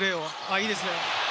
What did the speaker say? いいですね。